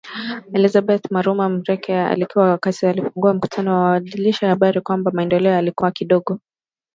Elizabeth Maruma Mrema alikiri wakati akifunga mkutano na waandishi wa habari kwamba maendeleo yalikuwa kidogo